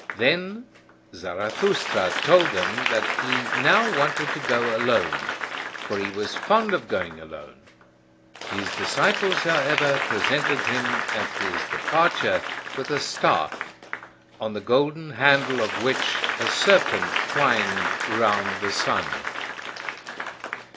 Then Zarathustra told them that he now wanted to go alone; for he was fond of going alone. His disciples, however, presented him at his departure with a staff, on the golden handle of which a serpent twined round the sun.